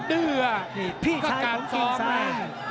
ดื้อพี่ชายของกิ้งซ้า